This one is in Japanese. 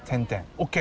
ＯＫ！